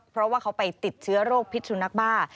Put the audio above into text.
เพราะว่าเขาไปติดเชื้อโรคพิษสุนัขบ้า